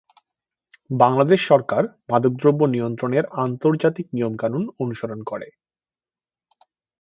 বাংলাদেশ সরকার মাদকদ্রব্য নিয়ন্ত্রণের আন্তর্জাতিক নিয়মকানুন অনুসরণ করে।